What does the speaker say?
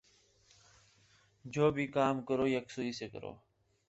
جو بھی کام کرو یکسوئی سے کرو